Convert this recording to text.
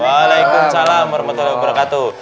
waalaikumsalam warahmatullahi wabarakatuh